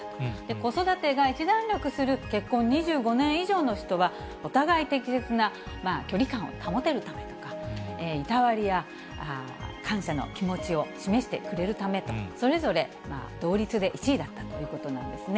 子育てが一段落する結婚２５年以上の人は、お互い適切な距離感を保てるためとか、いたわりや感謝の気持ちを示してくれるためと、それぞれ同率で１位だったということなんですね。